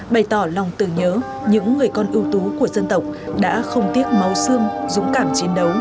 bày tỏ lòng tưởng nhớ những người con ưu tú của dân tộc đã không tiếc máu xương dũng cảm chiến đấu